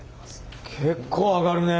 結構上がるね。